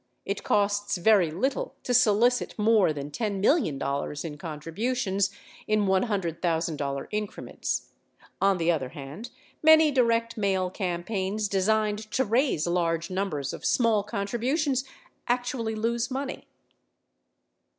It costs very little to solicit more than $10 million in contributions in $100,000 increments ; on the other hand, many direct mail campaigns designed to raise large numbers of small contributions actually lose money.